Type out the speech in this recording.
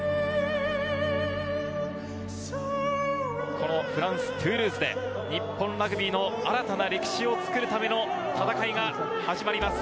このフランス・トゥールーズで日本ラグビーの新たな歴史を作るための戦いが始まります。